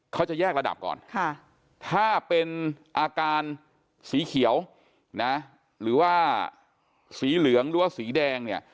เขาจะแยกระดับก่อนถ้าเป็นอาการสีเขียวนะหรือว่าสีเหลืองหรือว่าสีแดงเนี่ย